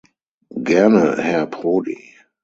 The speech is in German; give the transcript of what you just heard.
Gerne, Herr Prodi.